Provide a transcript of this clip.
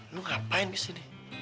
lo ngapain kesini